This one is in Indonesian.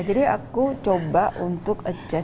aku coba untuk adjust